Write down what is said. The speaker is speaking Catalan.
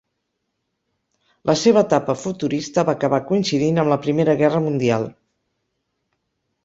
La seva etapa futurista va acabar coincidint amb la Primera Guerra Mundial.